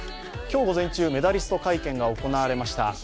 今日午前中、メダリスト会見が行われました。